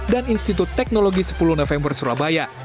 dan institut teknologi sepuluh november surabaya